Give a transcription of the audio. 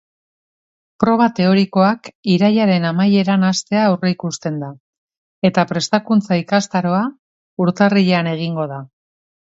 Proba teorikoak irailaren amaieran hastea aurreikusten da, eta prestakuntza-ikastaroa urtarrilean egingo da.